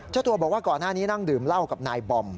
เจ้าตัวบอกว่าก่อนหน้านี้นั่งดื่มเหล้ากับนายบอม